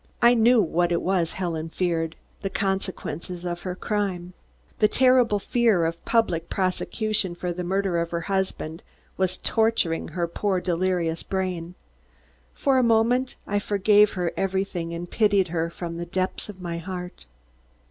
I knew what it was Helen feared. The consequences of her crime. The terrible fear of public prosecution for the murder of her husband was torturing her poor delirious brain. For a moment I forgave her everything and pitied her from the depths of my heart.